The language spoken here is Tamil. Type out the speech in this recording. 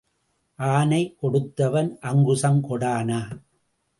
ஆனை கொடுத்தவன் அங்குசம் கொடானா?